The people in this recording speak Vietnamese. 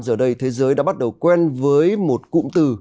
giờ đây thế giới đã bắt đầu quen với một cụm từ